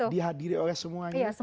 dihadiri oleh semuanya